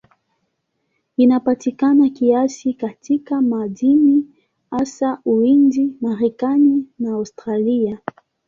Inapatikana kiasili katika madini, hasa Uhindi, Marekani na Australia.